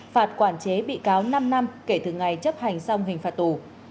phạt quản chế bị cáo năm năm kể từ ngày chấp hành xong hình phạt tù